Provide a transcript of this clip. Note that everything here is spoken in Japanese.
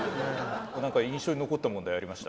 何か印象に残った問題ありました？